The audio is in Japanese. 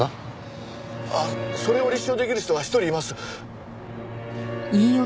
あっそれを立証出来る人が一人います。